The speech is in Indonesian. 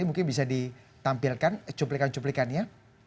mungkin bisa ditampilkan cuplikan cuplikannya